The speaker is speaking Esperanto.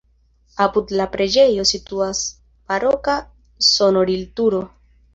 Apud la preĝejo situas baroka sonorilturo.